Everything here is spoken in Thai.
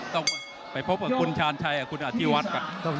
ต้องไปพบกับคุณชาญชัยคุณอธิวัตรกัน